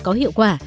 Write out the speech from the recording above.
có hiệu quả